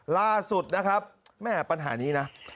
ล่าสุดนะครับแม่ปัญหานี้นะ